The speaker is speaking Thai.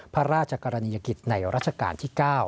พระราชกรณียกิจในรัชกาลที่๙